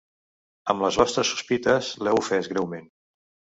Amb les vostres sospites l'heu ofès greument.